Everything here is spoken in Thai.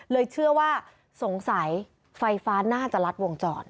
เชื่อว่าสงสัยไฟฟ้าน่าจะลัดวงจร